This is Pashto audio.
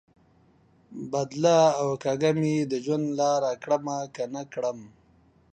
بدله او کږه مې د ژوند لار کړمه، که نه کړم؟